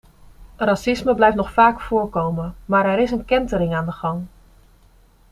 Racisme blijft nog vaak voorkomen, maar er is een kentering aan de gang.